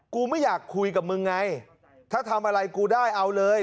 กูไม่อยากคุยกับมึงไงถ้าทำอะไรกูได้เอาเลย